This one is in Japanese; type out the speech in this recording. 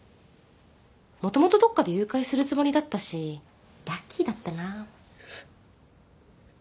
もともとどっかで誘拐するつもりだったしラッキーだったな。